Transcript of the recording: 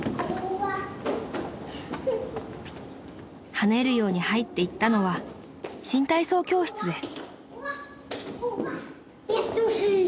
［跳ねるように入っていったのは新体操教室です］